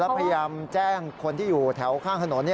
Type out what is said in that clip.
พยายามแจ้งคนที่อยู่แถวข้างถนน